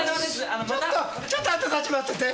ちょっとあんたたち待ってて。